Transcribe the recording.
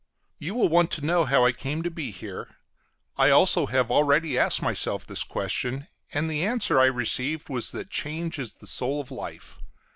You will want to know how I come to be here. I also have already asked myself this question, and the answer I received was that change is the soul of life.